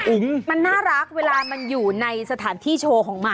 มันน่ารักเวลามันอยู่ในสถานที่โชว์ของมัน